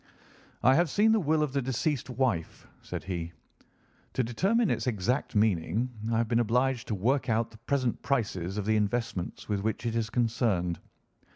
"I have seen the will of the deceased wife," said he. "To determine its exact meaning I have been obliged to work out the present prices of the investments with which it is concerned.